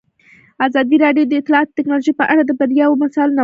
ازادي راډیو د اطلاعاتی تکنالوژي په اړه د بریاوو مثالونه ورکړي.